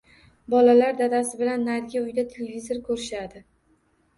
Bolalar dadasi bilan narigi uyda televizor ko`rishadi